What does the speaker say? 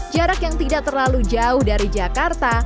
jarak yang tidak terlalu jauh dari jakarta